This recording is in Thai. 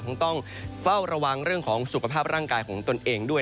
คงต้องเฝ้าระวังเรื่องของสุขภาพร่างกายของตนเองด้วย